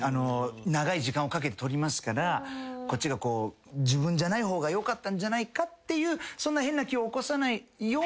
長い時間をかけてとりますからこっちがこう自分じゃない方がよかったんじゃないかっていうそんな変な気を起こさないようには。